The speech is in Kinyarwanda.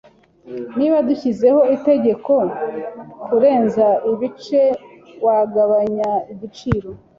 Niba dushyizeho itegeko kurenza ibice, wagabanya igiciro?